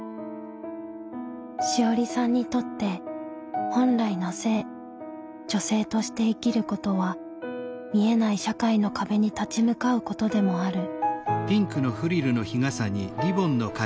志織さんにとって本来の性女性として生きることは見えない社会の壁に立ち向かうことでもある。